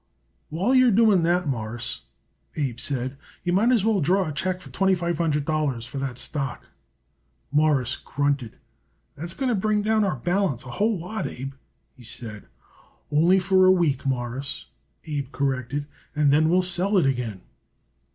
"While you're doing that, Mawruss," Abe said, "you might as well draw a check for twenty five hundred dollars for that stock." Morris grunted. "That's going to bring down our balance a whole lot, Abe," he said. "Only for a week, Mawruss," Abe corrected, "and then we'll sell it again."